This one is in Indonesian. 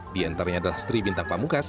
diantaranya adalah sri bintang pamuka